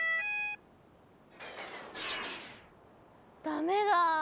ダメだ。